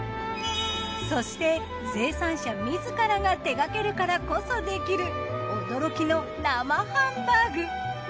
そして生産者自らが手がけるからこそできる驚きの生ハンバーグ。